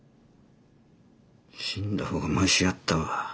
死んだ方がましやったわ。